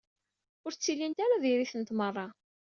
Ur ttilint ara diri-tent merra.